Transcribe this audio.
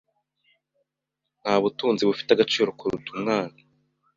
Nta butunzi bufite agaciro kuruta umwana.